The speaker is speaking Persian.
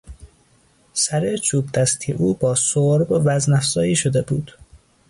سر چوبدستی او با سرب وزن افزایی شده بود.